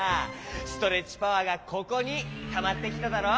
ストレッチパワーがここにたまってきただろ！